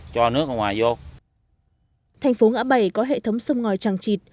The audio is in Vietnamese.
cho nước ra ngoài vô thành phố ngã bảy có hệ thống sông ngòi tràng trịt